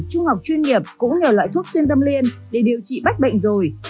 trung học chuyên nghiệp cũng nhờ loại thuốc xuyên tâm liên để điều trị bách bệnh rồi